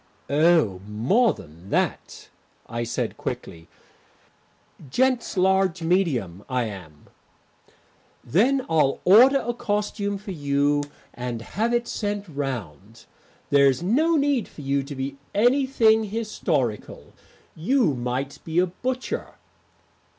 "Oh, more than that," I said quickly. "Gents' large medium, I am." "Then I'll order a costume for you and have it sent round. There's no need for you to be anything historical; you might be a butcher."